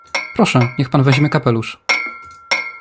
"Proszę niech pan weźmie kapelusz."